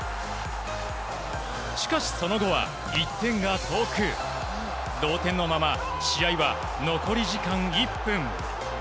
しかしその後は１点が遠く同点のまま試合は残り時間１分。